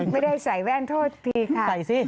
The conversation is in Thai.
ไม่ได้ใส่แว่นโทษทีค่ะ